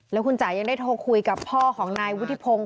แล้วคุณจ๋ายังได้โทรคุยกับพ่อของนายวุฒิพงศ์